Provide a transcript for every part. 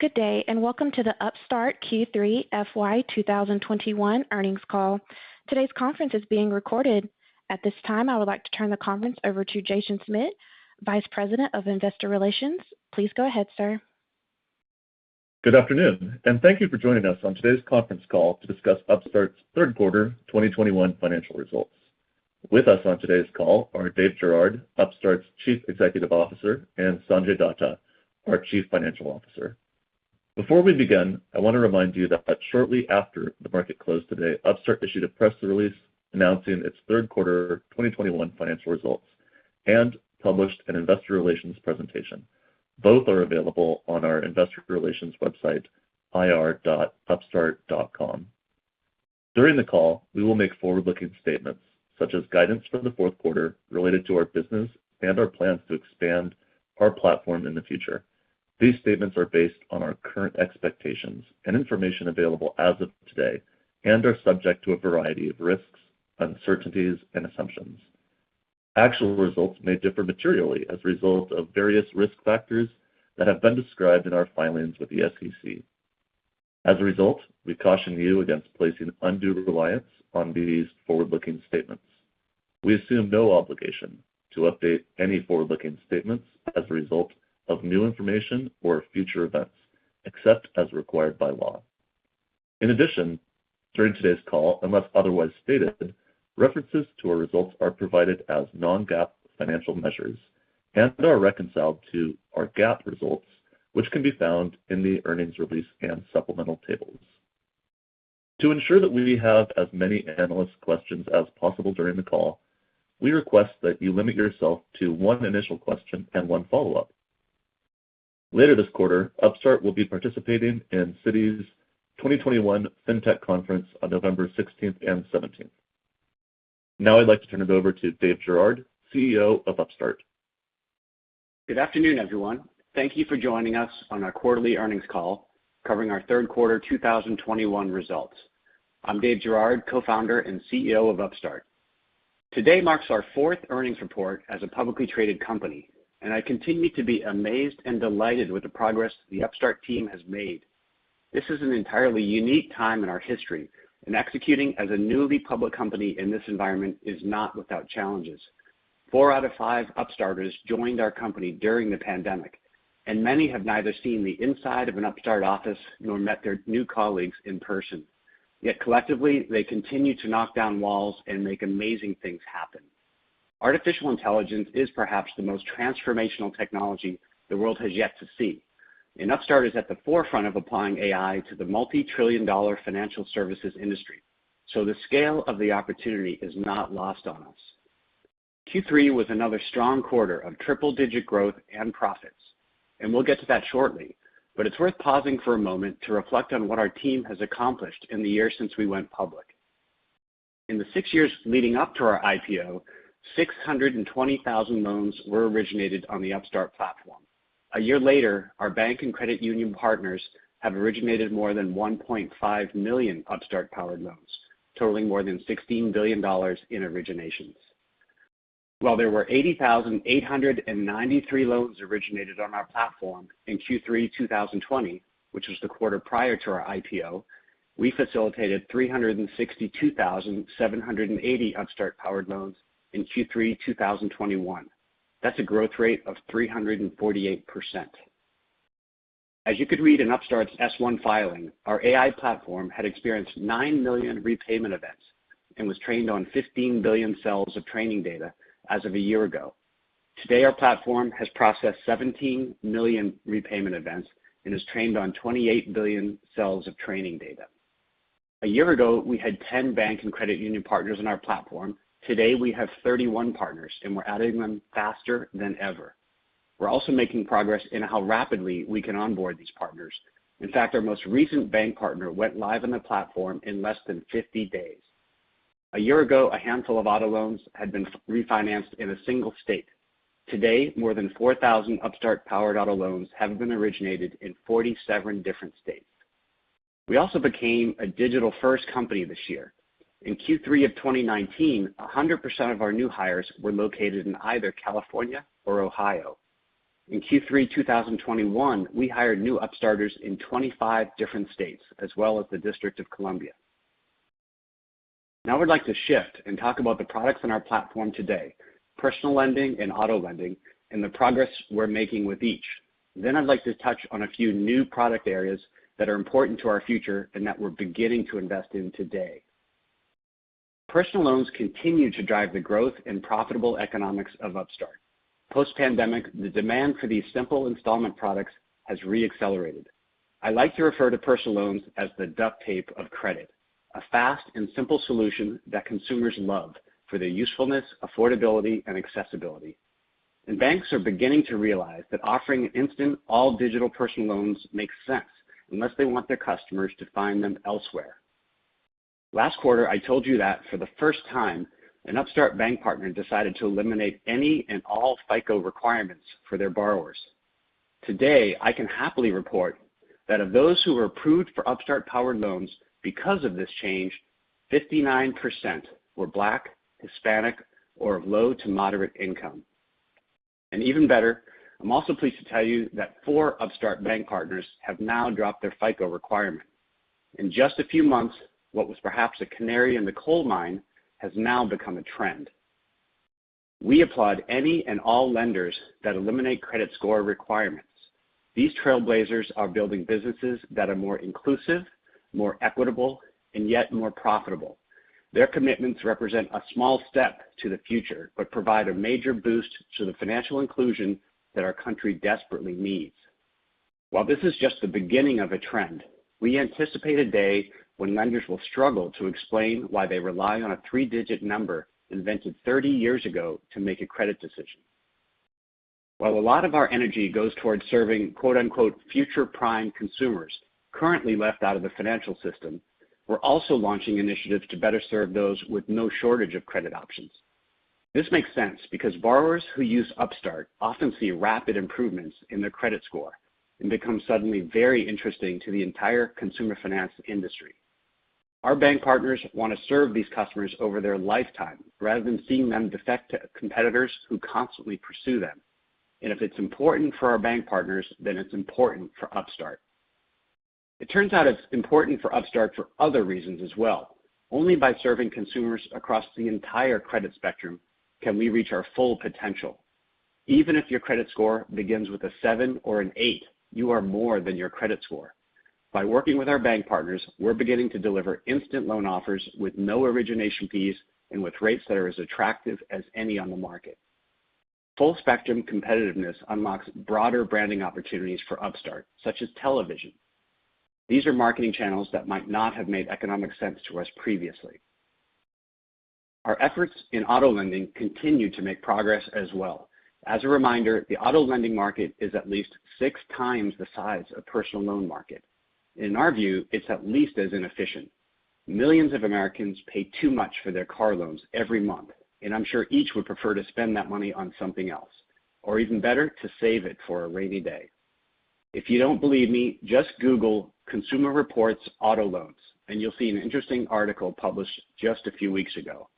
Good day, and welcome to the Upstart Q3 FY 2021 earnings call. Today's conference is being recorded. At this time, I would like to turn the conference over to Jason Schmidt, Vice President of Investor Relations. Please go ahead, sir. Good afternoon, and thank you for joining us on today's conference call to discuss Upstart's third quarter 2021 financial results. With us on today's call are Dave Girouard, Upstart's Chief Executive Officer, and Sanjay Datta, our Chief Financial Officer. Before we begin, I wanna remind you that shortly after the market closed today, Upstart issued a press release announcing its third quarter 2021 financial results and published an investor relations presentation. Both are available on our investor relations website, ir.upstart.com. During the call, we will make forward-looking statements, such as guidance for the Q4 related to our business and our plans to expand our platform in the future. These statements are based on our current expectations and information available as of today and are subject to a variety of risks, uncertainties, and assumptions. Actual results may differ materially as a result of various risk factors that have been described in our filings with the SEC. As a result, we caution you against placing undue reliance on these forward-looking statements. We assume no obligation to update any forward-looking statements as a result of new information or future events, except as required by law. In addition, during today's call, unless otherwise stated, references to our results are provided as non-GAAP financial measures and are reconciled to our GAAP results, which can be found in the earnings release and supplemental tables. To ensure that we have as many analyst questions as possible during the call, we request that you limit yourself to one initial question and one follow-up. Later this quarter, Upstart will be participating in Citi's 2021 FinTech Conference on November sixteenth and seventeenth. Now I'd like to turn it over to Dave Girouard, CEO of Upstart. Good afternoon, everyone. Thank you for joining us on our quarterly earnings call covering our third quarter 2021 results. I'm Dave Girouard, Co-founder and CEO of Upstart. Today marks our fourth earnings report as a publicly traded company, and I continue to be amazed and delighted with the progress the Upstart team has made. This is an entirely unique time in our history, and executing as a newly public company in this environment is not without challenges. Four out of five Upstarters joined our company during the pandemic, and many have neither seen the inside of an Upstart office nor met their new colleagues in person. Yet collectively, they continue to knock down walls and make amazing things happen. Artificial intelligence is perhaps the most transformational technology the world has yet to see, and Upstart is at the forefront of applying AI to the multi-trillion-dollar financial services industry, so the scale of the opportunity is not lost on us. Q3 was another strong quarter of triple-digit growth and profits, and we'll get to that shortly, but it's worth pausing for a moment to reflect on what our team has accomplished in the year since we went public. In the six years leading up to our IPO, 620,000 loans were originated on the Upstart platform. A year later, our bank and credit union partners have originated more than 1.5 million Upstart-powered loans, totaling more than $16 billion in originations. While there were 80,893 loans originated on our platform in Q3 2020, which was the quarter prior to our IPO, we facilitated 362,780 Upstart-powered loans in Q3 2021. That's a growth rate of 348%. As you could read in Upstart's S-1 filing, our AI platform had experienced 9 million repayment events and was trained on 15 billion cells of training data as of a year ago. Today, our platform has processed 17 million repayment events and is trained on 28 billion cells of training data. A year ago, we had 10 bank and credit union partners on our platform. Today, we have 31 partners, and we're adding them faster than ever. We're also making progress in how rapidly we can onboard these partners. In fact, our most recent bank partner went live on the platform in less than 50 days. A year ago, a handful of auto loans had been refinanced in a single state. Today, more than 4,000 Upstart-powered auto loans have been originated in 47 different states. We also became a digital-first company this year. In Q3 of 2019, 100% of our new hires were located in either California or Ohio. In Q3 2021, we hired new Upstarters in 25 different states as well as the District of Columbia. Now I'd like to shift and talk about the products on our platform today, personal lending and auto lending, and the progress we're making with each. Then I'd like to touch on a few new product areas that are important to our future and that we're beginning to invest in today. Personal loans continue to drive the growth and profitable economics of Upstart. Post-pandemic, the demand for these simple installment products has re-accelerated. I like to refer to personal loans as the duct tape of credit, a fast and simple solution that consumers love for their usefulness, affordability, and accessibility. Banks are beginning to realize that offering instant all-digital personal loans makes sense unless they want their customers to find them elsewhere. Last quarter, I told you that for the first time, an Upstart bank partner decided to eliminate any and all FICO requirements for their borrowers. Today, I can happily report that of those who were approved for Upstart-powered loans because of this change, 59% were Black, Hispanic, or of low to moderate income. Even better, I'm also pleased to tell you that four Upstart bank partners have now dropped their FICO requirement. In just a few months, what was perhaps a canary in the coal mine has now become a trend. We applaud any and all lenders that eliminate credit score requirements. These trailblazers are building businesses that are more inclusive, more equitable, and yet more profitable. Their commitments represent a small step to the future, but provide a major boost to the financial inclusion that our country desperately needs. While this is just the beginning of a trend, we anticipate a day when lenders will struggle to explain why they rely on a 3-digit number invented 30 years ago to make a credit decision. While a lot of our energy goes towards serving quote-unquote, future prime consumers currently left out of the financial system, we're also launching initiatives to better serve those with no shortage of credit options. This makes sense because borrowers who use Upstart often see rapid improvements in their credit score and become suddenly very interesting to the entire consumer finance industry. Our bank partners want to serve these customers over their lifetime rather than seeing them defect to competitors who constantly pursue them. If it's important for our bank partners, then it's important for Upstart. It turns out it's important for Upstart for other reasons as well. Only by serving consumers across the entire credit spectrum can we reach our full potential. Even if your credit score begins with a seven or an eight, you are more than your credit score. By working with our bank partners, we're beginning to deliver instant loan offers with no origination fees and with rates that are as attractive as any on the market. Full spectrum competitiveness unlocks broader branding opportunities for Upstart, such as television. These are marketing channels that might not have made economic sense to us previously. Our efforts in auto lending continue to make progress as well. As a reminder, the auto lending market is at least six times the size of personal loan market. In our view, it's at least as inefficient. Millions of Americans pay too much for their car loans every month, and I'm sure each would prefer to spend that money on something else, or even better, to save it for a rainy day. If you don't believe me, just Google Consumer Reports auto loans, and you'll see an interesting article published just a few weeks ago.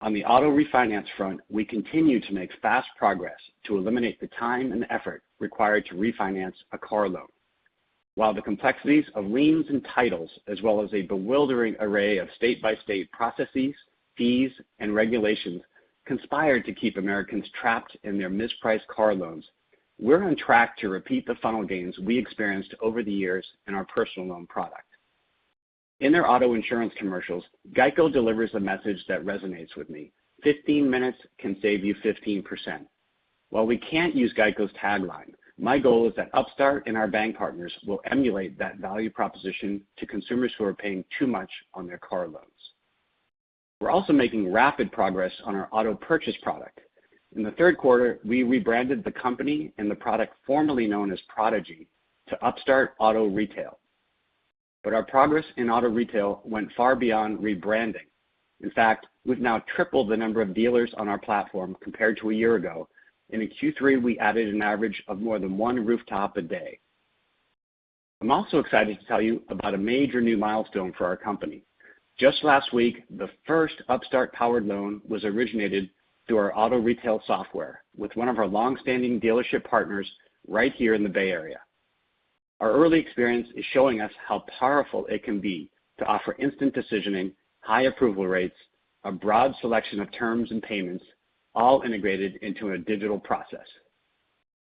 On the auto refinance front, we continue to make fast progress to eliminate the time and effort required to refinance a car loan. While the complexities of liens and titles, as well as a bewildering array of state-by-state processes, fees, and regulations conspire to keep Americans trapped in their mispriced car loans, we're on track to repeat the funnel gains we experienced over the years in our personal loan product. In their auto insurance commercials, GEICO delivers a message that resonates with me. 15 minutes can save you 15%. While we can't use GEICO's tagline, my goal is that Upstart and our bank partners will emulate that value proposition to consumers who are paying too much on their car loans. We're also making rapid progress on our auto purchase product. In the third quarter, we rebranded the company and the product formerly known as Prodigy to Upstart Auto Retail. Our progress in auto retail went far beyond rebranding. In fact, we've now tripled the number of dealers on our platform compared to a year ago. In Q3, we added an average of more than one rooftop a day. I'm also excited to tell you about a major new milestone for our company. Just last week, the first Upstart-powered loan was originated through our auto retail software with one of our long-standing dealership partners right here in the Bay Area. Our early experience is showing us how powerful it can be to offer instant decisioning, high approval rates, a broad selection of terms and payments, all integrated into a digital process.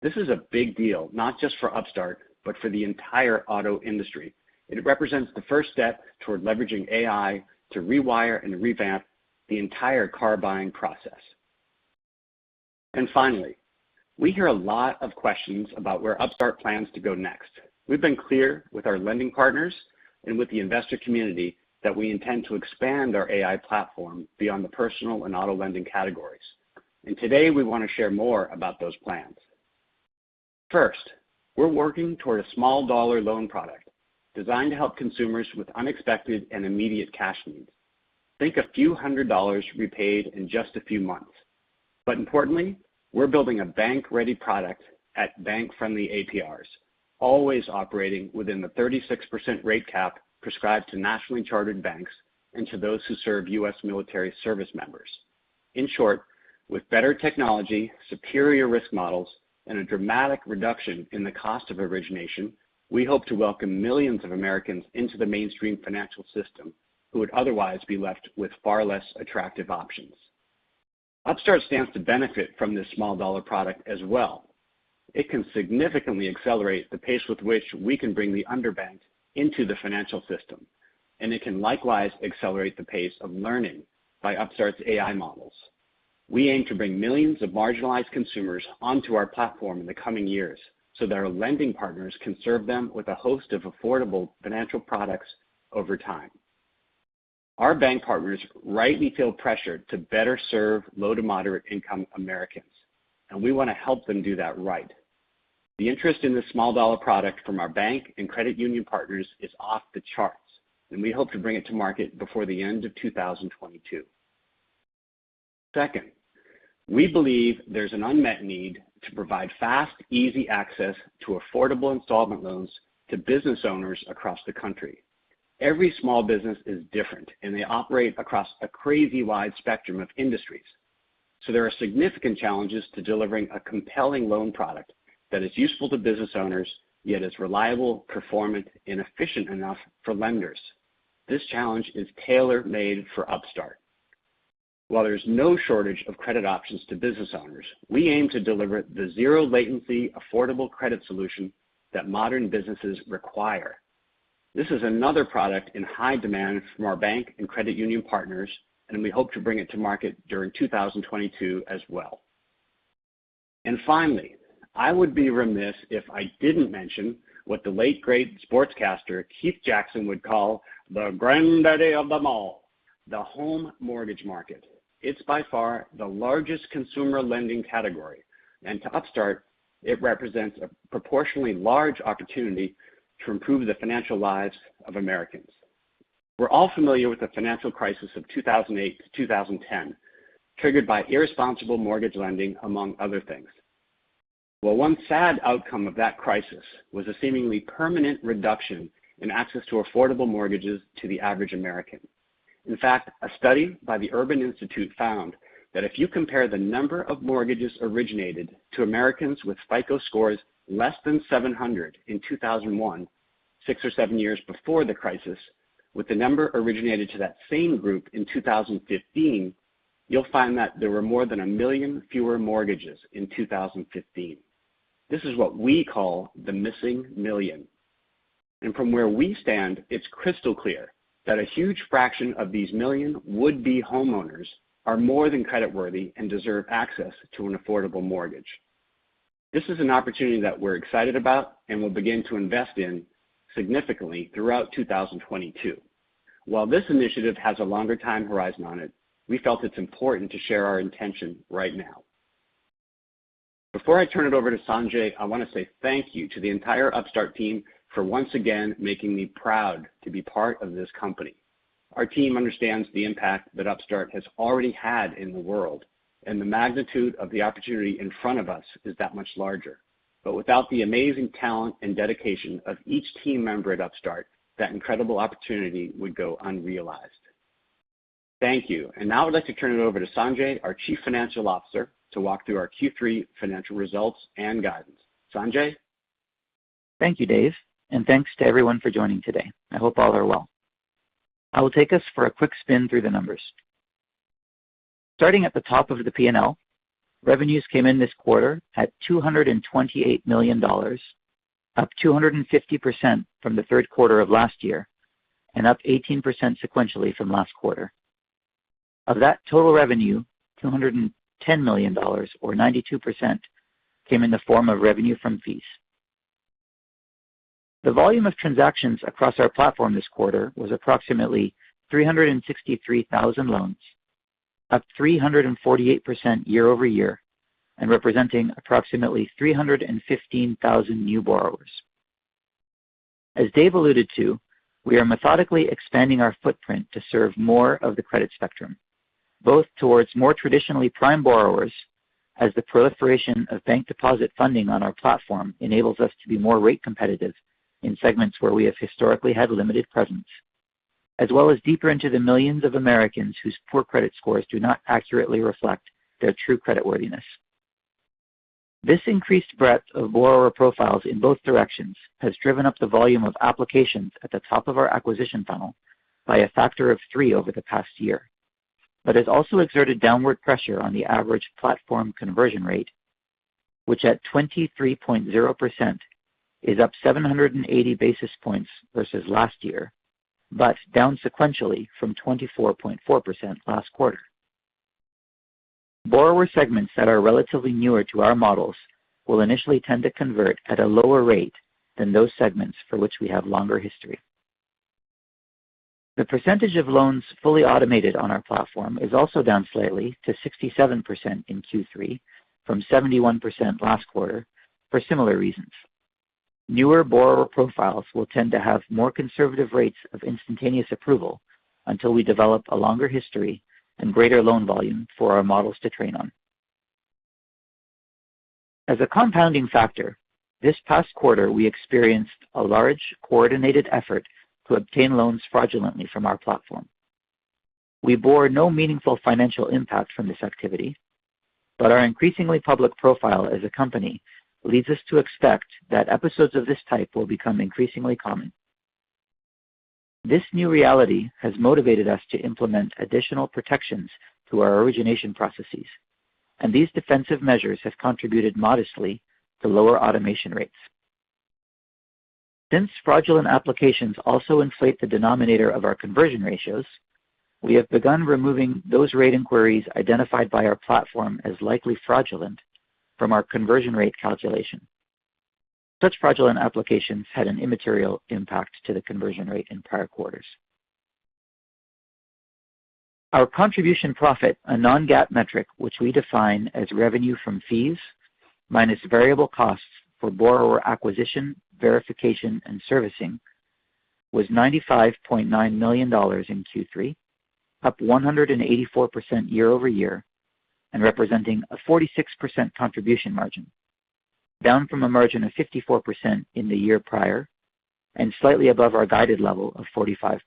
This is a big deal, not just for Upstart, but for the entire auto industry. It represents the first step toward leveraging AI to rewire and revamp the entire car buying process. Finally, we hear a lot of questions about where Upstart plans to go next. We've been clear with our lending partners and with the investor community that we intend to expand our AI platform beyond the personal and auto lending categories. Today, we want to share more about those plans. First, we're working toward a small dollar loan product designed to help consumers with unexpected and immediate cash needs. Think a few hundred dollars repaid in just a few months. Importantly, we're building a bank-ready product at bank-friendly APRs, always operating within the 36% rate cap prescribed to nationally chartered banks and to those who serve U.S. military service members. In short, with better technology, superior risk models, and a dramatic reduction in the cost of origination, we hope to welcome millions of Americans into the mainstream financial system who would otherwise be left with far less attractive options. Upstart stands to benefit from this small dollar product as well. It can significantly accelerate the pace with which we can bring the underbanked into the financial system, and it can likewise accelerate the pace of learning by Upstart's AI models. We aim to bring millions of marginalized consumers onto our platform in the coming years so that our lending partners can serve them with a host of affordable financial products over time. Our bank partners rightly feel pressured to better serve low to moderate income Americans, and we want to help them do that right. The interest in this small dollar product from our bank and credit union partners is off the charts, and we hope to bring it to market before the end of 2022. Second, we believe there's an unmet need to provide fast, easy access to affordable installment loans to business owners across the country. Every small business is different, and they operate across a crazy wide spectrum of industries. So there are significant challenges to delivering a compelling loan product that is useful to business owners, yet is reliable, performant, and efficient enough for lenders. This challenge is tailor-made for Upstart. While there's no shortage of credit options to business owners, we aim to deliver the zero latency, affordable credit solution that modern businesses require. This is another product in high demand from our bank and credit union partners, and we hope to bring it to market during 2022 as well. Finally, I would be remiss if I didn't mention what the late great sportscaster Keith Jackson would call the granddaddy of them all, the home mortgage market. It's by far the largest consumer lending category, and to Upstart, it represents a proportionally large opportunity to improve the financial lives of Americans. We're all familiar with the financial crisis of 2008-2010, triggered by irresponsible mortgage lending, among other things. Well, one sad outcome of that crisis was a seemingly permanent reduction in access to affordable mortgages to the average American. In fact, a study by the Urban Institute found that if you compare the number of mortgages originated to Americans with FICO scores less than 700 in 2001, six or seven years before the crisis, with the number originated to that same group in 2015, you'll find that there were more than 1 million fewer mortgages in 2015. This is what we call the missing million. From where we stand, it's crystal clear that a huge fraction of these million would-be homeowners are more than creditworthy and deserve access to an affordable mortgage. This is an opportunity that we're excited about and will begin to invest in significantly throughout 2022. While this initiative has a longer time horizon on it, we felt it's important to share our intention right now. Before I turn it over to Sanjay, I want to say thank you to the entire Upstart team for once again making me proud to be part of this company. Our team understands the impact that Upstart has already had in the world, and the magnitude of the opportunity in front of us is that much larger. Without the amazing talent and dedication of each team member at Upstart, that incredible opportunity would go unrealized. Thank you. Now I'd like to turn it over to Sanjay, our Chief Financial Officer, to walk through our Q3 financial results and guidance. Sanjay. Thank you, Dave, and thanks to everyone for joining today. I hope all are well. I will take us for a quick spin through the numbers. Starting at the top of the P&L, revenues came in this quarter at $228 million, up 250% from the third quarter of last year and up 18% sequentially from last quarter. Of that total revenue, $210 million or 92% came in the form of revenue from fees. The volume of transactions across our platform this quarter was approximately 363,000 loans, up 348% year-over-year, and representing approximately 315,000 new borrowers. As Dave alluded to, we are methodically expanding our footprint to serve more of the credit spectrum, both towards more traditionally prime borrowers as the proliferation of bank deposit funding on our platform enables us to be more rate competitive in segments where we have historically had limited presence, as well as deeper into the millions of Americans whose poor credit scores do not accurately reflect their true creditworthiness. This increased breadth of borrower profiles in both directions has driven up the volume of applications at the top of our acquisition funnel by a factor of 3 over the past year, but has also exerted downward pressure on the average platform conversion rate, which at 23.0% is up 780 basis points versus last year, but down sequentially from 24.4% last quarter. Borrower segments that are relatively newer to our models will initially tend to convert at a lower rate than those segments for which we have longer history. The percentage of loans fully automated on our platform is also down slightly to 67% in Q3 from 71% last quarter for similar reasons. Newer borrower profiles will tend to have more conservative rates of instantaneous approval until we develop a longer history and greater loan volume for our models to train on. As a compounding factor, this past quarter, we experienced a large coordinated effort to obtain loans fraudulently from our platform. We bore no meaningful financial impact from this activity, but our increasingly public profile as a company leads us to expect that episodes of this type will become increasingly common. This new reality has motivated us to implement additional protections to our origination processes, and these defensive measures have contributed modestly to lower automation rates. Since fraudulent applications also inflate the denominator of our conversion ratios, we have begun removing those rate inquiries identified by our platform as likely fraudulent from our conversion rate calculation. Such fraudulent applications had an immaterial impact to the conversion rate in prior quarters. Our contribution profit, a non-GAAP metric which we define as revenue from fees minus variable costs for borrower acquisition, verification, and servicing. Was $95.9 million in Q3, up 184% year-over-year, and representing a 46% contribution margin, down from a margin of 54% in the year prior and slightly above our guided level of 45%.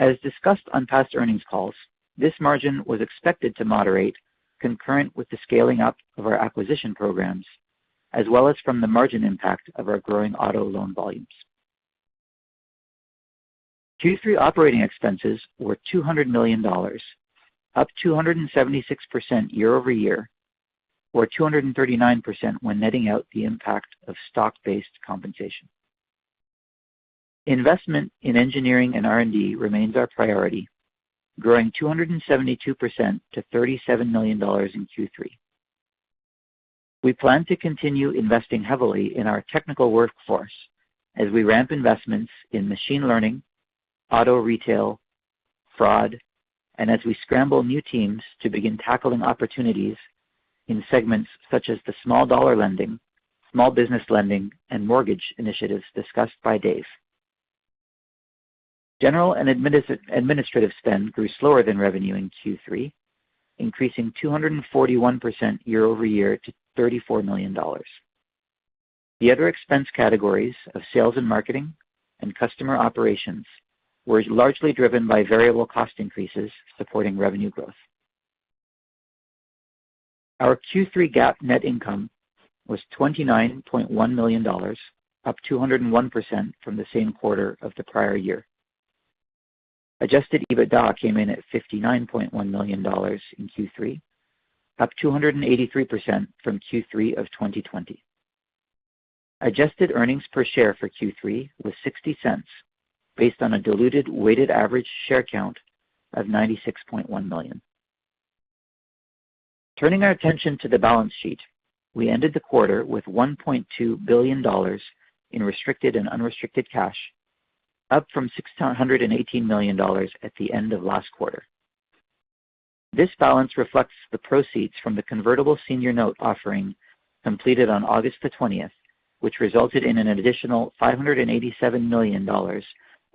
As discussed on past earnings calls, this margin was expected to moderate concurrent with the scaling up of our acquisition programs, as well as from the margin impact of our growing auto loan volumes. Q3 operating expenses were $200 million, up 276% year-over-year, or 239% when netting out the impact of stock-based compensation. Investment in engineering and R&D remains our priority, growing 272% to $37 million in Q3. We plan to continue investing heavily in our technical workforce as we ramp investments in machine learning, auto retail, fraud, and as we scramble new teams to begin tackling opportunities in segments such as the small dollar lending, small business lending, and mortgage initiatives discussed by Dave. General and administrative spend grew slower than revenue in Q3, increasing 241% year-over-year to $34 million. The other expense categories of sales and marketing and customer operations was largely driven by variable cost increases supporting revenue growth. Our Q3 GAAP net income was $29.1 million, up 201% from the same quarter of the prior year. Adjusted EBITDA came in at $59.1 million in Q3, up 283% from Q3 of 2020. Adjusted earnings per share for Q3 was $0.60 based on a diluted weighted average share count of 96.1 million. Turning our attention to the balance sheet, we ended the quarter with $1.2 billion in restricted and unrestricted cash, up from $618 million at the end of last quarter. This balance reflects the proceeds from the convertible senior notes offering completed on August 20, which resulted in an additional $587 million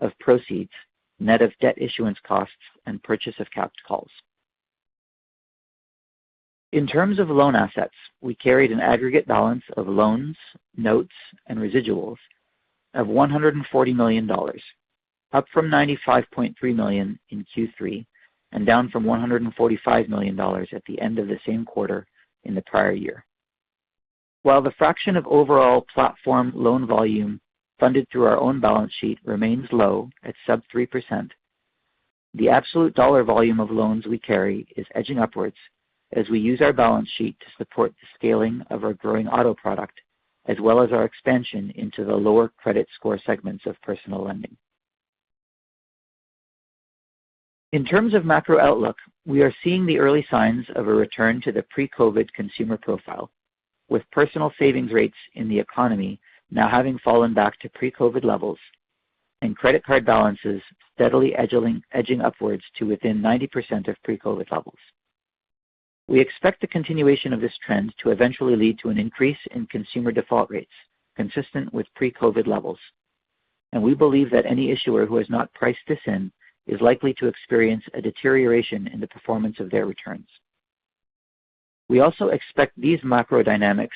of proceeds net of debt issuance costs and purchase of capped calls. In terms of loan assets, we carried an aggregate balance of loans, notes, and residuals of $140 million, up from $95.3 million in Q3 and down from $145 million at the end of the same quarter in the prior year. While the fraction of overall platform loan volume funded through our own balance sheet remains low at sub 3%, the absolute dollar volume of loans we carry is edging upwards as we use our balance sheet to support the scaling of our growing auto product, as well as our expansion into the lower credit score segments of personal lending. In terms of macro outlook, we are seeing the early signs of a return to the pre-COVID consumer profile, with personal savings rates in the economy now having fallen back to pre-COVID levels and credit card balances steadily edging upwards to within 90% of pre-COVID levels. We expect the continuation of this trend to eventually lead to an increase in consumer default rates consistent with pre-COVID levels, and we believe that any issuer who has not priced this in is likely to experience a deterioration in the performance of their returns. We also expect these macro dynamics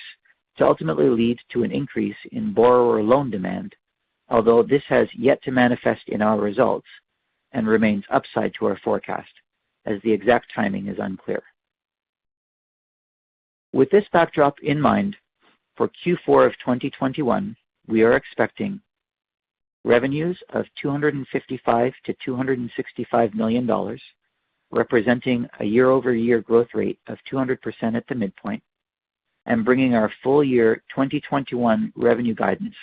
to ultimately lead to an increase in borrower loan demand, although this has yet to manifest in our results and remains upside to our forecast as the exact timing is unclear. With this backdrop in mind, for Q4 of 2021, we are expecting revenues of $255 million-$265 million, representing a 200% year-over-year growth rate at the midpoint and bringing our full-year 2021 revenue guidance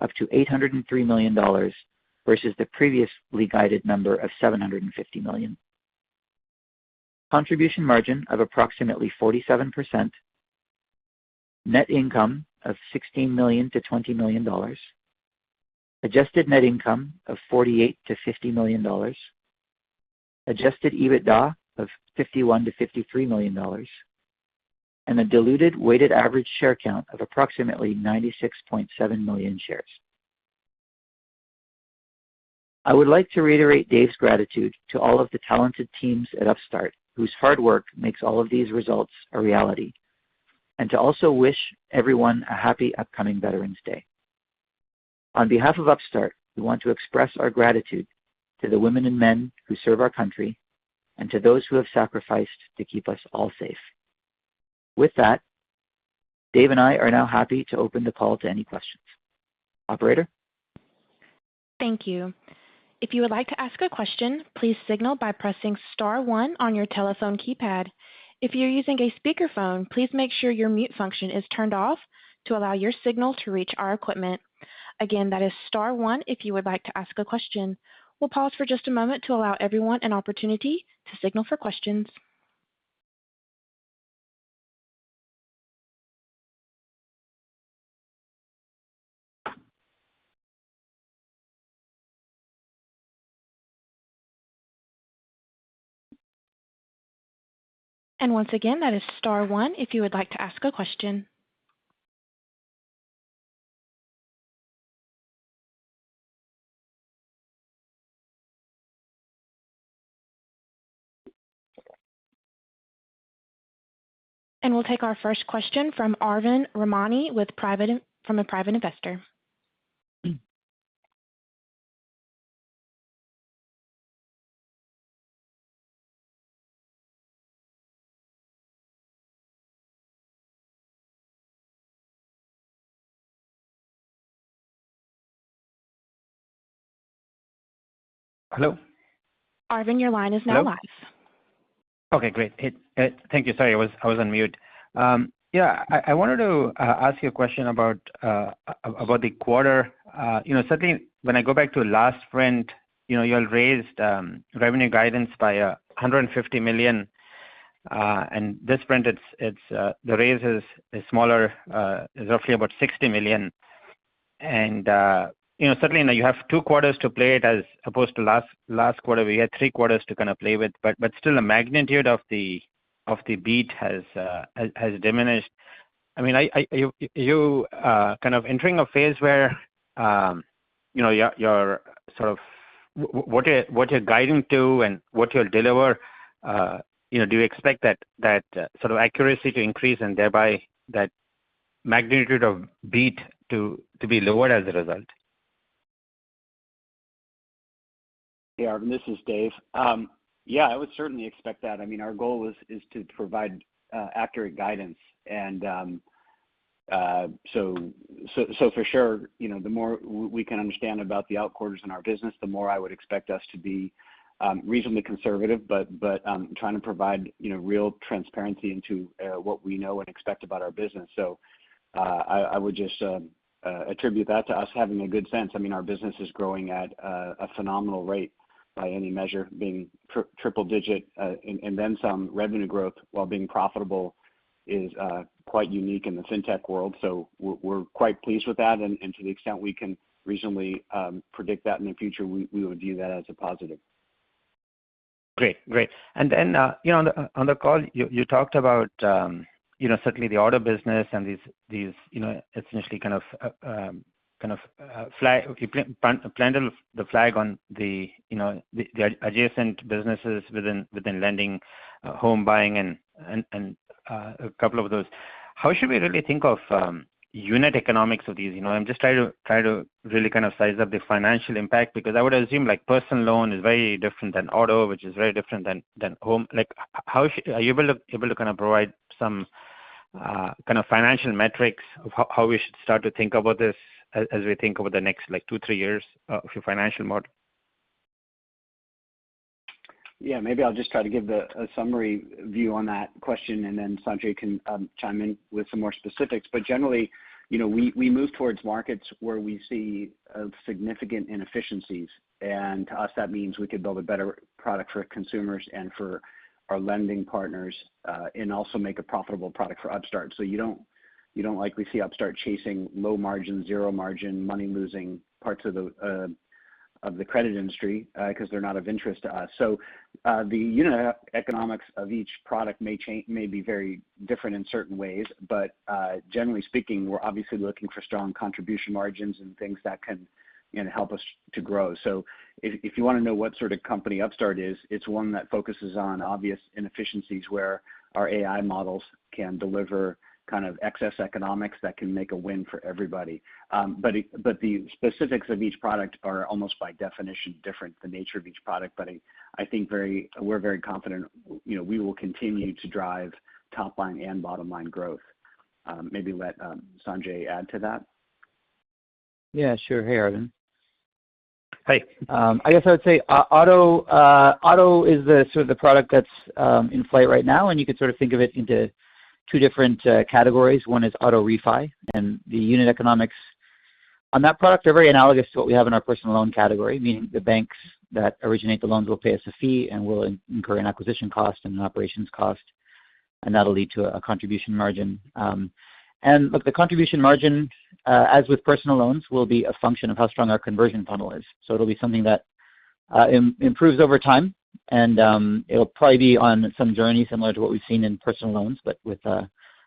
up to $803 million versus the previously guided number of $750 million. Contribution margin of approximately 47%. Net income of $16 million-$20 million. Adjusted net income of $48 million-$50 million. Adjusted EBITDA of $51 million-$53 million, and a diluted weighted average share count of approximately 96.7 million shares. I would like to reiterate Dave's gratitude to all of the talented teams at Upstart whose hard work makes all of these results a reality, and to also wish everyone a happy upcoming Veterans Day. On behalf of Upstart, we want to express our gratitude to the women and men who serve our country and to those who have sacrificed to keep us all safe. With that, Dave and I are now happy to open the call to any questions. Operator. Thank you. If you would like to ask a question, please signal by pressing star one on your telephone keypad. If you're using a speakerphone, please make sure your mute function is turned off to allow your signal to reach our equipment. Again, that is star one if you would like to ask a question. We'll pause for just a moment to allow everyone an opportunity to signal for questions. Once again, that is star one, if you would like to ask a question. We'll take our first question from Arvind Ramnani with Piper Sandler. Hello. Arvind, your line is now live. Hello. Okay, great. Thank you. Sorry, I was on mute. Yeah, I wanted to ask you a question about the quarter. You know, certainly when I go back to last print you all raised revenue guidance by $150 million. This print it's the raise is smaller, is roughly about $60 million. You know, certainly now you have two quarters to play it as opposed to last quarter, we had three quarters to kind of play with. Still the magnitude of the beat has diminished. I mean, you kind of entering a phase where your sort of what you're guiding to and what you'll deliver do you expect that sort of accuracy to increase and thereby that magnitude of beat to be lower as a result? Yeah, Arvind. This is Dave. Yeah, I would certainly expect that. I mean, our goal is to provide accurate guidance. For sure the more we can understand about the outer quarters in our business, the more I would expect us to be reasonably conservative, trying to provide real transparency into what we know and expect about our business. I would just attribute that to us having a good sense. I mean, our business is growing at a phenomenal rate by any measure, being triple-digit and then some revenue growth while being profitable is quite unique in the fintech world. We're quite pleased with that. To the extent we can reasonably predict that in the future, we would view that as a positive. Great. You know, on the call, you talked about certainly the auto business and these essentially kind of you plant the flag on the the adjacent businesses within lending, home buying and a couple of those. How should we really think of unit economics of these? You know, I'm just trying to really kind of size up the financial impact. Because I would assume like personal loan is very different than auto, which is very different than home. Like, are you able to kind of provide some kind of financial metrics of how we should start to think about this as we think over the next like two, three years of your financial model? Yeah, maybe I'll just try to give a summary view on that question, and then Sanjay can chime in with some more specifics. generally we move towards markets where we see significant inefficiencies. To us, that means we could build a better product for consumers and for our lending partners, and also make a profitable product for Upstart. You don't likely see Upstart chasing low margin, zero margin, money-losing parts of the credit industry, because they're not of interest to us. The unit economics of each product may be very different in certain ways, but generally speaking, we're obviously looking for strong contribution margins and things that can help us to grow. If you wanna know what sort of company Upstart is, it's one that focuses on obvious inefficiencies where our AI models can deliver kind of excess economics that can make a win for everybody. But the specifics of each product are almost by definition different, the nature of each product. I think we're very confident we will continue to drive top line and bottom line growth. Maybe let Sanjay add to that. Yeah, sure. Hey, Arvind. Hey. I guess I would say auto is the sort of product that's in flight right now, and you can sort of think of it into two different categories. One is auto refi, and the unit economics on that product are very analogous to what we have in our personal loan category, meaning the banks that originate the loans will pay us a fee, and we'll incur an acquisition cost and an operations cost, and that'll lead to a contribution margin. Look, the contribution margin, as with personal loans, will be a function of how strong our conversion funnel is. It'll be something that improves over time, and it'll probably be on some journey similar to what we've seen in personal loans, but with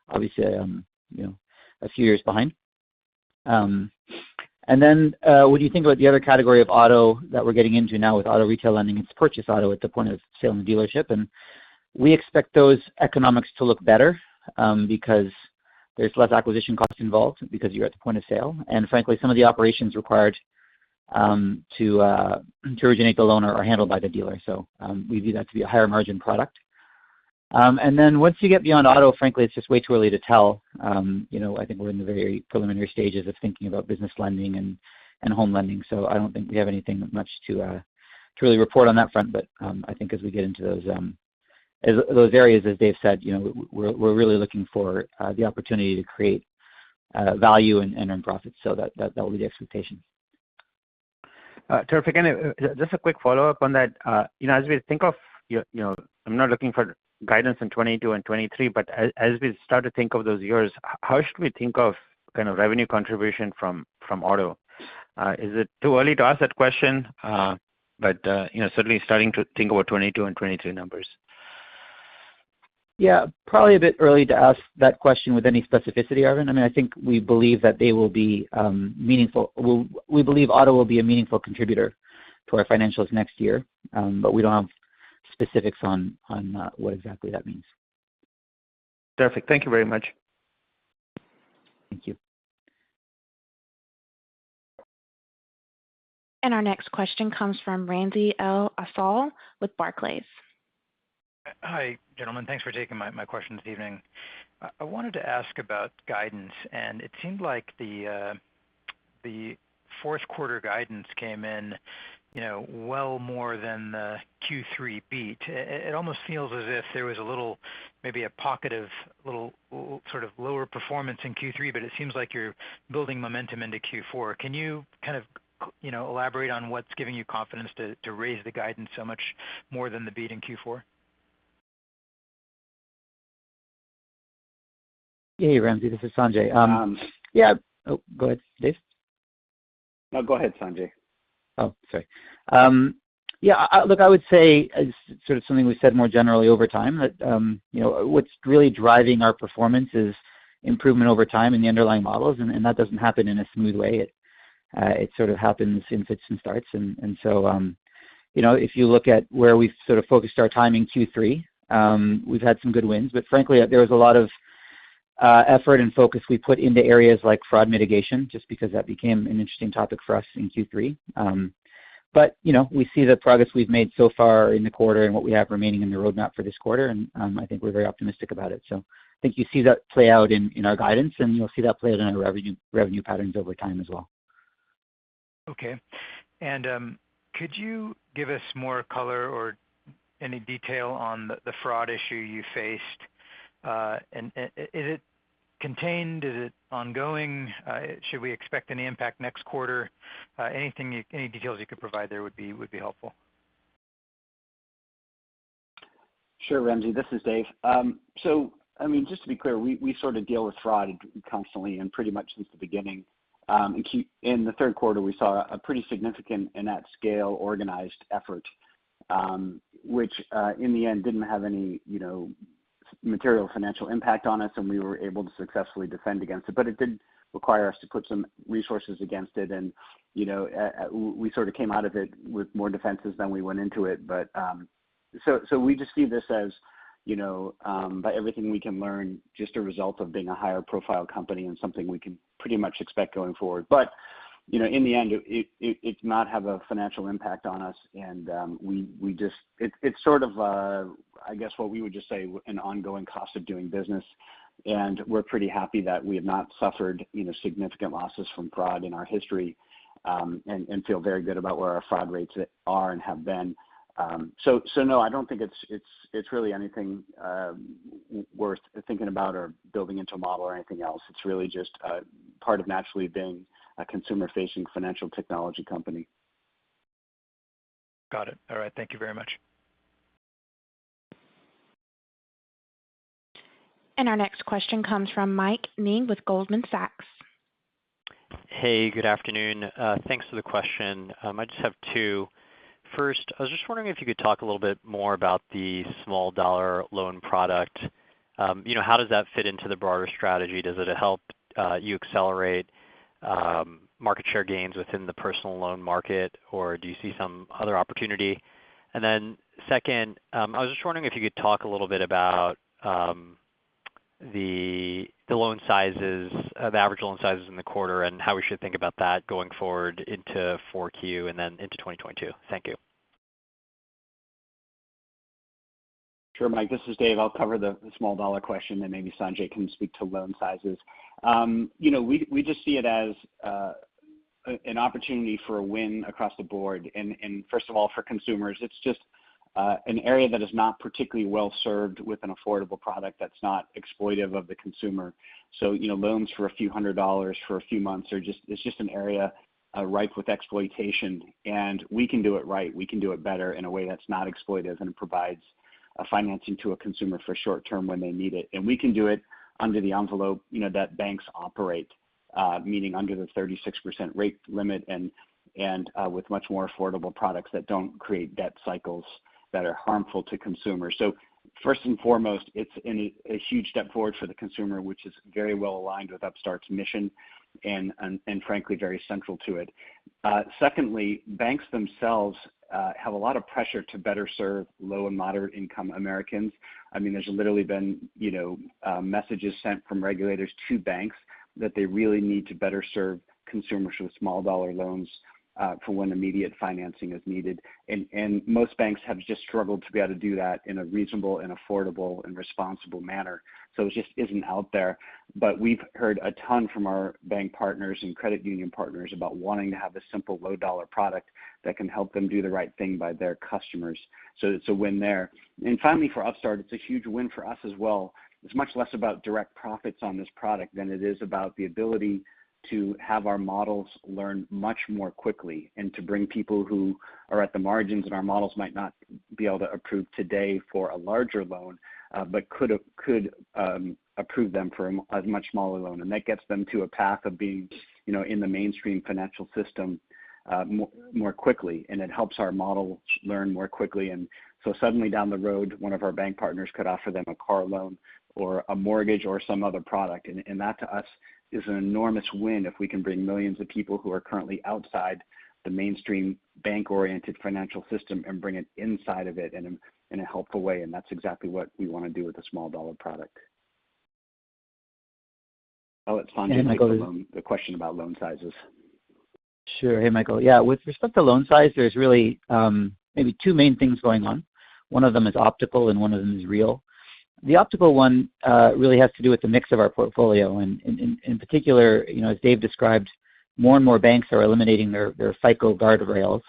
obviously you know a few years behind. When you think about the other category of auto that we're getting into now with auto retail lending, it's purchase auto at the point of sale in the dealership. We expect those economics to look better because there's less acquisition costs involved because you're at the point of sale. Frankly, some of the operations required to originate the loan are handled by the dealer. We view that to be a higher margin product. Once you get beyond auto, frankly, it's just way too early to tell. You know, I think we're in the very preliminary stages of thinking about business lending and home lending, so I don't think we have anything much to really report on that front. I think as we get into those areas, as Dave said we're really looking for the opportunity to create value and earn profits. That would be the expectation. Terrific. Just a quick follow-up on that. You know, as we think of, I'm not looking for guidance in 2022 and 2023, but as we start to think of those years, how should we think of kind of revenue contribution from auto? Is it too early to ask that question? You know, certainly starting to think about 2022 and 2023 numbers. Yeah, probably a bit early to ask that question with any specificity, Arvind. I mean, I think we believe that they will be meaningful. We believe auto will be a meaningful contributor to our financials next year, but we don't have specifics on what exactly that means. Perfect. Thank you very much. Thank you. Our next question comes from Ramsey El-Assal with Barclays. Hi, gentlemen. Thanks for taking my question this evening. I wanted to ask about guidance. It seemed like the Q4 guidance came in well more than the Q3 beat. It almost feels as if there was a little, maybe a pocket of little worse sort of lower performance in Q3, but it seems like you're building momentum into Q4. Can you kind of you know, elaborate on what's giving you confidence to raise the guidance so much more than the beat in Q4? Hey, Ramsey, this is Sanjay. Um- Yeah. Oh, go ahead, Dave. No, go ahead, Sanjay. Oh, sorry. Yeah, look, I would say as sort of something we've said more generally over time that what's really driving our performance is improvement over time in the underlying models, and that doesn't happen in a smooth way. It sort of happens in fits and starts. If you look at where we've sort of focused our time in Q3, we've had some good wins. Frankly, there was a lot of effort and focus we put into areas like fraud mitigation, just because that became an interesting topic for us in Q3. You know, we see the progress we've made so far in the quarter and what we have remaining in the roadmap for this quarter, and I think we're very optimistic about it. I think you see that play out in our guidance, and you'll see that play out in our revenue patterns over time as well. Okay. Could you give us more color or any detail on the fraud issue you faced? Is it contained? Is it ongoing? Should we expect any impact next quarter? Any details you could provide there would be helpful. Sure, Ramsey. This is Dave. So I mean, just to be clear, we sort of deal with fraud constantly and pretty much since the beginning. In the third quarter, we saw a pretty significant, in that scale, organized effort, which in the end didn't have any material financial impact on us, and we were able to successfully defend against it. It did require us to put some resources against it and we sort of came out of it with more defenses than we went into it. We just see this as by everything we can learn, just a result of being a higher profile company and something we can pretty much expect going forward. You know, in the end, it did not have a financial impact on us. It's sort of, I guess what we would just say an ongoing cost of doing business. We're pretty happy that we have not suffered significant losses from fraud in our history and feel very good about where our fraud rates are and have been. So no, I don't think it's really anything worth thinking about or building into a model or anything else. It's really just part of naturally being a consumer-facing financial technology company. Got it. All right. Thank you very much. Our next question comes from Mike Ng with Goldman Sachs. Hey, good afternoon. Thanks for the question. I just have two. First, I was just wondering if you could talk a little bit more about the small dollar loan product. You know, how does that fit into the broader strategy? Does it help you accelerate market share gains within the personal loan market, or do you see some other opportunity? And then second, I was just wondering if you could talk a little bit about the loan sizes, the average loan sizes in the quarter and how we should think about that going forward into 4Q and then into 2022. Thank you. Sure, Mike. This is Dave. I'll cover the small dollar question, and maybe Sanjay can speak to loan sizes. You know, we just see it as an opportunity for a win across the board. First of all, for consumers, it's just an area that is not particularly well served with an affordable product that's not exploitive of the consumer. You know, loans for a few hundred dollars for a few months. It's just an area ripe with exploitation. We can do it right. We can do it better in a way that's not exploitive and provides a financing to a consumer for short term when they need it. We can do it under the envelope that banks operate, meaning under the 36% rate limit and with much more affordable products that don't create debt cycles that are harmful to consumers. First and foremost, it's a huge step forward for the consumer, which is very well aligned with Upstart's mission and frankly, very central to it. Secondly, banks themselves have a lot of pressure to better serve low and moderate income Americans. I mean, there's literally been messages sent from regulators to banks that they really need to better serve consumers with small dollar loans, for when immediate financing is needed. Most banks have just struggled to be able to do that in a reasonable and affordable and responsible manner. It just isn't out there. We've heard a ton from our bank partners and credit union partners about wanting to have a simple low dollar product that can help them do the right thing by their customers. It's a win there. Finally, for Upstart, it's a huge win for us as well. It's much less about direct profits on this product than it is about the ability to have our models learn much more quickly and to bring people who are at the margins that our models might not be able to approve today for a larger loan, but could approve them for a much smaller loan. That gets them to a path of being in the mainstream financial system, more quickly, and it helps our model learn more quickly. Suddenly down the road, one of our bank partners could offer them a car loan or a mortgage or some other product. That to us is an enormous win if we can bring millions of people who are currently outside the mainstream bank-oriented financial system and bring it inside of it in a helpful way. That's exactly what we wanna do with the small dollar product. Oh, it's Sanjay Datta. The question about loan sizes. Sure. Hey, Michael. Yeah, with respect to loan size, there's really maybe two main things going on. One of them is optical, and one of them is real. The optical one really has to do with the mix of our portfolio. And in particular as Dave described, more and more banks are eliminating their FICO guardrails.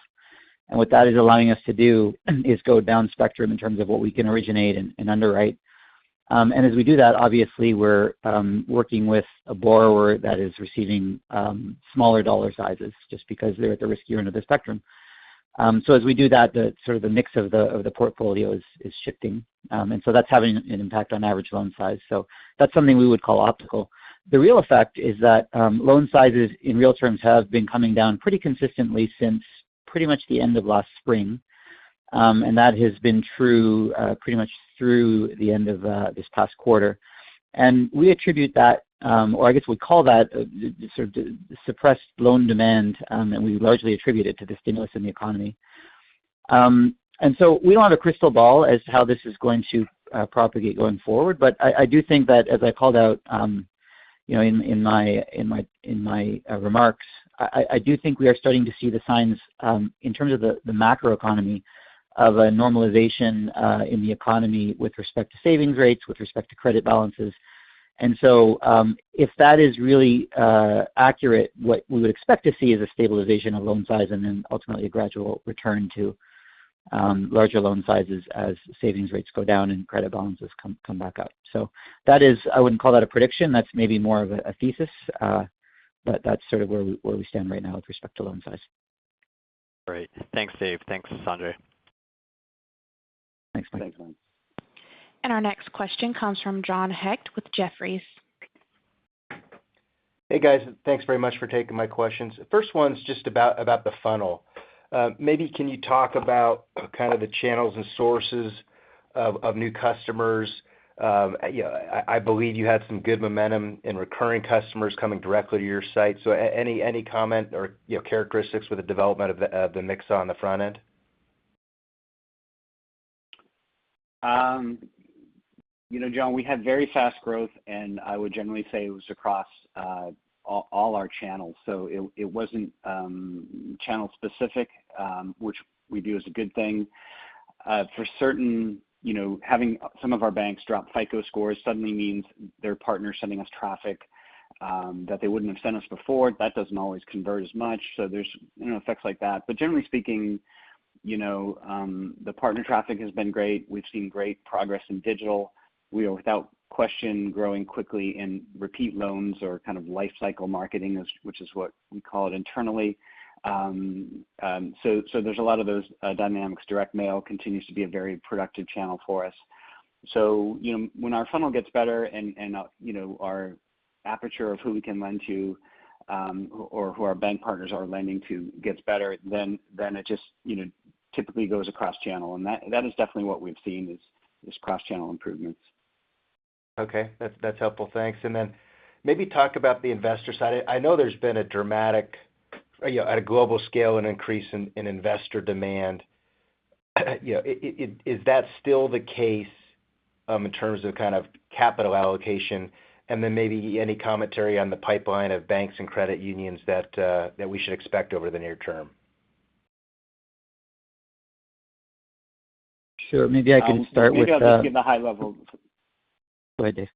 And what that is allowing us to do is go down spectrum in terms of what we can originate and underwrite. And as we do that, obviously we're working with a borrower that is receiving smaller dollar sizes just because they're at the riskier end of the spectrum. So as we do that, the sort of the mix of the portfolio is shifting. And so that's having an impact on average loan size. That's something we would call optical. The real effect is that loan sizes in real terms have been coming down pretty consistently since pretty much the end of last spring. That has been true pretty much through the end of this past quarter. We attribute that or I guess we call that sort of suppressed loan demand, and we largely attribute it to the stimulus in the economy. We don't have a crystal ball as to how this is going to propagate going forward. I do think that as I called out in my remarks, I do think we are starting to see the signs, in terms of the macro economy of a normalization, in the economy with respect to savings rates, with respect to credit balances. If that is really accurate, what we would expect to see is a stabilization of loan size and then ultimately a gradual return to larger loan sizes as savings rates go down and credit balances come back up. That is. I wouldn't call that a prediction. That's maybe more of a thesis. That's sort of where we stand right now with respect to loan size. Great. Thanks, Dave. Thanks, Sanjay. Thanks, Mike. Thanks, Mike. Our next question comes from John Hecht with Jefferies. Hey, guys. Thanks very much for taking my questions. The first one's just about the funnel. Maybe you can talk about kind of the channels and sources of new customers. You know, I believe you had some good momentum in recurring customers coming directly to your site. Any comment or characteristics with the development of the mix on the front end? You know, John, we had very fast growth, and I would generally say it was across all our channels. It wasn't channel specific, which we view as a good thing. For certain having some of our banks drop FICO scores suddenly means their partners sending us traffic that they wouldn't have sent us before. That doesn't always convert as much. there's effects like that. Generally speaking the partner traffic has been great. We've seen great progress in digital. We are without question growing quickly in repeat loans or kind of life cycle marketing, which is what we call it internally. There's a lot of those dynamics. Direct mail continues to be a very productive channel for us. You know, when our funnel gets better and you know, our aperture of who we can lend to, or who our bank partners are lending to gets better, then it just typically goes across channel. That is definitely what we've seen is cross-channel improvements. Okay. That's helpful. Thanks. Maybe talk about the investor side. I know there's been a dramatic at a global scale, an increase in investor demand. You know, is that still the case in terms of kind of capital allocation? Maybe any commentary on the pipeline of banks and credit unions that we should expect over the near term. Sure. Maybe I can start with Maybe I'll just give the high level. Go ahead, Dave.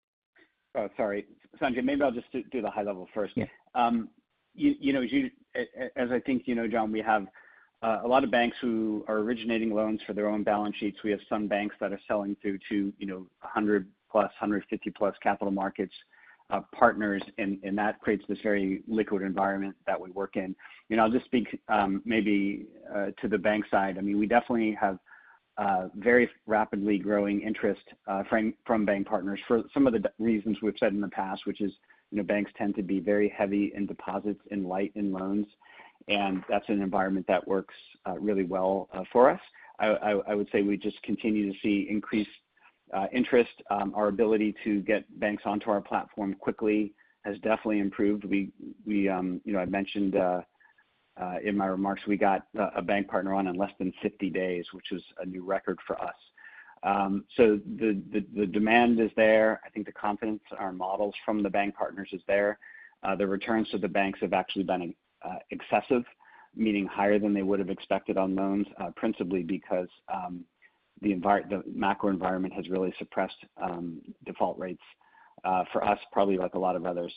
Oh, sorry. Sanjay, maybe I'll just do the high level first. Yeah. You know, as I think you know, John, we have a lot of banks who are originating loans for their own balance sheets. We have some banks that are selling through to 100+, 150+ capital markets partners, and that creates this very liquid environment that we work in. You know, I'll just speak maybe to the bank side. I mean, we definitely have very rapidly growing interest from bank partners for some of the reasons we've said in the past, which is banks tend to be very heavy in deposits and light in loans, and that's an environment that works really well for us. I would say we just continue to see increased interest. Our ability to get banks onto our platform quickly has definitely improved. You know, I mentioned in my remarks, we got a bank partner on in less than 50 days, which was a new record for us. The demand is there. I think the confidence in our models from the bank partners is there. The returns to the banks have actually been excessive, meaning higher than they would have expected on loans, principally because the macro environment has really suppressed default rates for us, probably like a lot of others.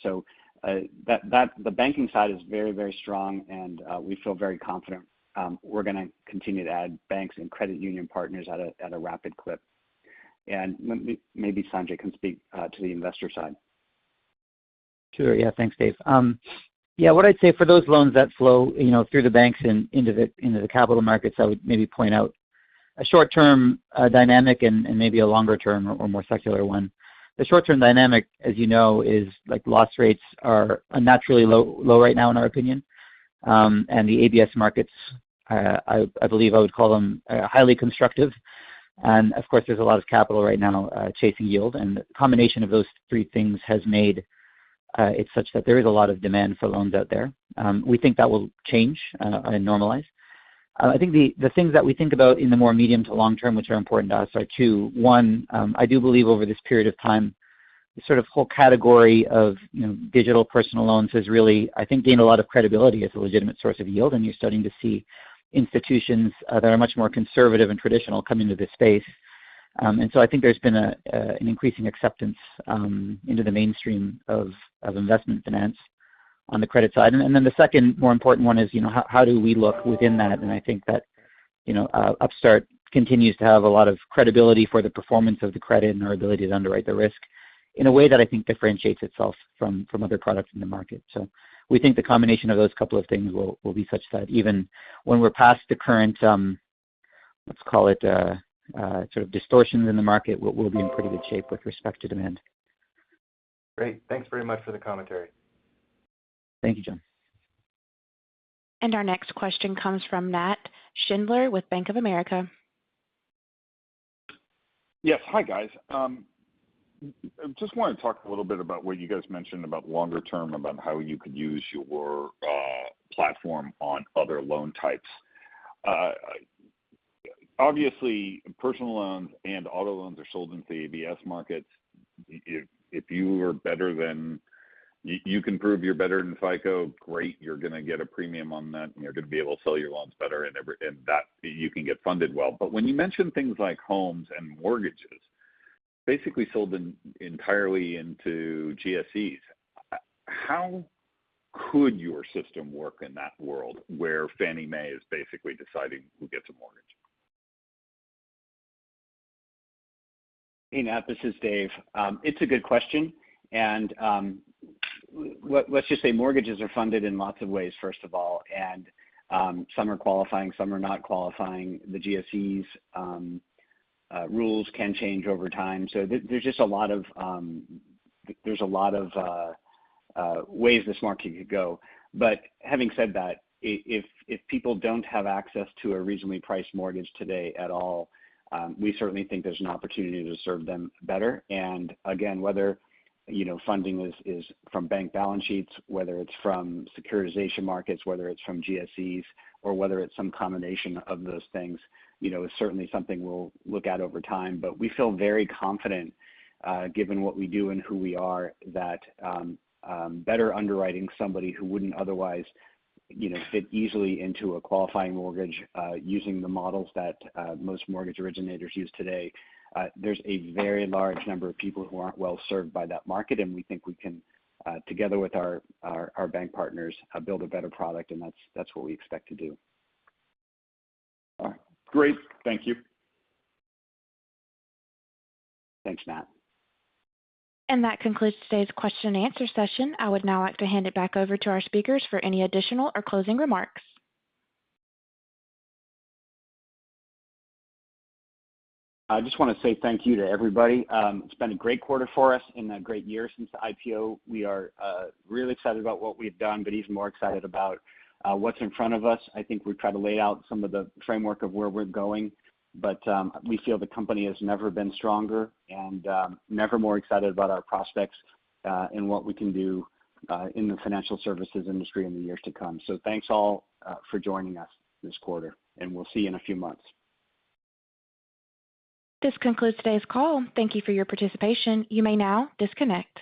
The banking side is very strong and we feel very confident we're gonna continue to add banks and credit union partners at a rapid clip. Maybe Sanjay can speak to the investor side. Sure. Yeah. Thanks, Dave. Yeah, what I'd say for those loans that flow through the banks and into the capital markets, I would maybe point out a short-term dynamic and maybe a longer term or more secular one. The short-term dynamic, as you know, is like loss rates are unnaturally low right now in our opinion. The ABS markets, I believe I would call them highly constructive. Of course, there's a lot of capital right now chasing yield. The combination of those three things has made it such that there is a lot of demand for loans out there. We think that will change and normalize. I think the things that we think about in the more medium to long term, which are important to us are two. One, I do believe over this period of time, the sort of whole category of digital personal loans has really, I think, gained a lot of credibility as a legitimate source of yield, and you're starting to see institutions that are much more conservative and traditional come into this space. I think there's been an increasing acceptance into the mainstream of investment finance on the credit side. The second more important one is how do we look within that? I think that Upstart continues to have a lot of credibility for the performance of the credit and our ability to underwrite the risk in a way that I think differentiates itself from other products in the market. We think the combination of those couple of things will be such that even when we're past the current, let's call it, sort of distortions in the market, we'll be in pretty good shape with respect to demand. Great. Thanks very much for the commentary. Thank you, John. Our next question comes from Matt Schindler with Bank of America. Yes. Hi, guys. Just wanna talk a little bit about what you guys mentioned about longer term, about how you could use your platform on other loan types. Obviously personal loans and auto loans are sold into the ABS markets. If you can prove you're better than FICO, great, you're gonna get a premium on that, and you're gonna be able to sell your loans better and that you can get funded well. When you mention things like homes and mortgages, basically sold entirely into GSEs, how could your system work in that world where Fannie Mae is basically deciding who gets a mortgage? Hey, Matt, this is Dave. It's a good question. Let's just say mortgages are funded in lots of ways first of all, and some are qualifying, some are not qualifying. The GSEs rules can change over time. There's just a lot of ways this market could go. Having said that, if people don't have access to a reasonably priced mortgage today at all, we certainly think there's an opportunity to serve them better. Again, whether you know, funding is from bank balance sheets, whether it's from securitization markets, whether it's from GSEs or whether it's some combination of those things is certainly something we'll look at over time. We feel very confident, given what we do and who we are that better underwriting somebody who wouldn't otherwise fit easily into a qualifying mortgage, using the models that most mortgage originators use today. There's a very large number of people who aren't well served by that market, and we think we can, together with our bank partners, build a better product, and that's what we expect to do. All right. Great. Thank you. Thanks, Matt. That concludes today's question and answer session. I would now like to hand it back over to our speakers for any additional or closing remarks. I just wanna say thank you to everybody. It's been a great quarter for us and a great year since the IPO. We are really excited about what we've done, but even more excited about what's in front of us. I think we've tried to lay out some of the framework of where we're going, but we feel the company has never been stronger and never more excited about our prospects and what we can do in the financial services industry in the years to come. Thanks all for joining us this quarter, and we'll see you in a few months. This concludes today's call. Thank you for your participation. You may now disconnect.